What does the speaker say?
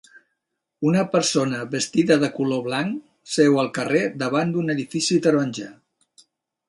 Una persona vestida de color blanc seu al carrer davant d'un edifici taronja.